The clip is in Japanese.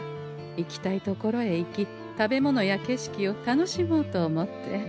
行きたいところへ行き食べ物や景色を楽しもうと思って。